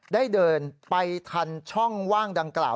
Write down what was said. ได้เดินไปทันช่องว่างดังกล่าว